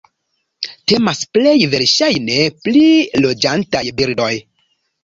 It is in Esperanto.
Temas plej verŝajne pri loĝantaj birdoj.